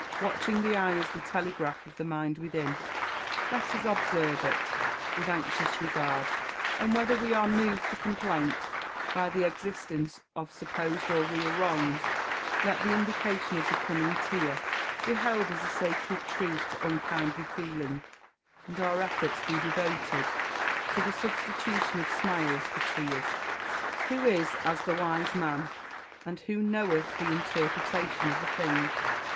Watching the eye as the telegraph of the mind within, let us observe it with anxious regard; and whether we are moved to complaint by the existence of supposed or real wrongs, let the indication of the coming tear be held as a sacred truce to unkindly feeling, and our efforts be devoted to the substitution of smiles for tears! [Verse: "Who is as the wise man? and who knoweth the interpretation of a thing?